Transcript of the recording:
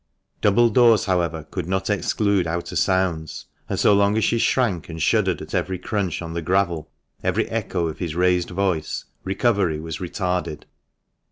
Double doors, however, could not exclude outer sounds, and so long as she shrank and shuddered at every crunch on the gravel, every echo of his raised voice, recovery was retarded.